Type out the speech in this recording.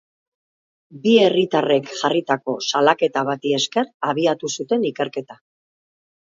Bi herritarrek jarritako salaketa bati esker abiatu zuten ikerketa.